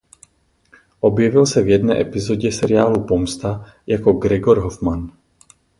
Objevil se v jedné epizodě seriálu "Pomsta" jako Gregor Hoffman.